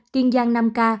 kiên giang năm ca